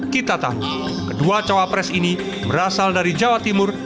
kita tahu kedua cawapres ini berasal dari jawa timur